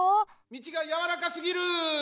みちがやわらかすぎる！